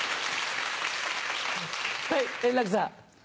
はい円楽さん。